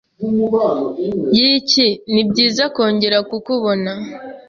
Yuki! Nibyiza kongera kukubona!